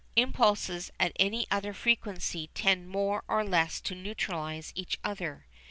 Impulses at any other frequency tend more or less to neutralise each other.